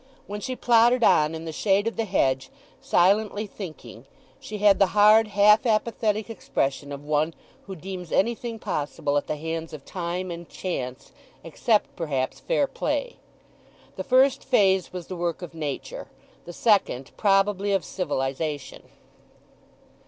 When she plodded on in the shade of the hedge, silently thinking, she had the hard, half apathetic expression of one who deems anything possible at the hands of Time and Chance except, perhaps, fair play. The first phase was the work of Nature, the second probably of civilization.